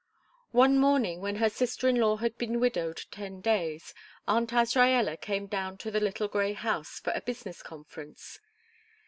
One morning, when her sister in law had been widowed ten days, Aunt Azraella came down to the little grey house for a business conference.